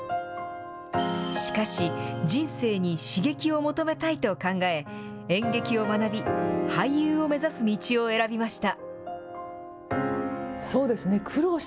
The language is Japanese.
しかし、人生に刺激を求めたいと考え、演劇を学び、俳優を目指す道を選びました。